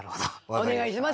お願いします。